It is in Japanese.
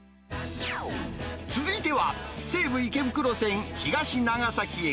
続いては、西武池袋線東長崎駅。